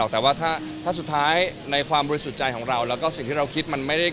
เราทำเพราะความสบายใจของเราแล้วกันก็คุยกับคุณพลอย